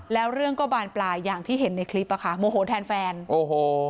แล้วเรื่องก็บานปลายอย่างที่เห็นในคลิปอ่ะค่ะโมโหแทนแฟนโอ้โห